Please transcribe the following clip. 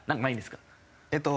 えっと